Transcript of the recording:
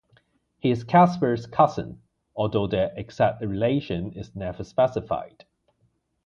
He is Casper's cousin, although their exact relation is never specified.